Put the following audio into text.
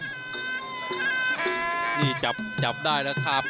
นักมวยจอมคำหวังเว่เลยนะครับ